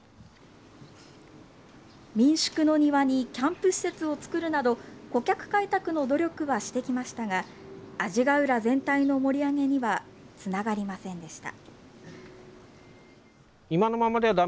民宿の庭にキャンプ施設を作るなど、顧客開拓の努力はしてきましたが、阿字ヶ浦全体の盛り上げにはつながりませんでした。